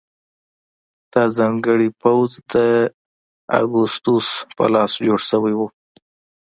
دا ځانګړی پوځ د اګوستوس په لاس جوړ شوی و